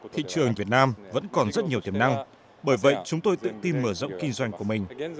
thị trường việt nam vẫn còn rất nhiều tiềm năng bởi vậy chúng tôi tự tin mở rộng kinh doanh của mình